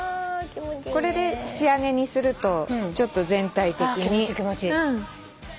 これで仕上げにするとちょっと全体的に。